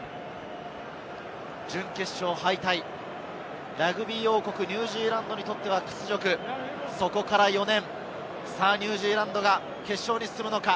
準決勝敗退、ラグビー王国・ニュージーランドにとっては屈辱、そこから４年、ニュージーランドが決勝に進むのか？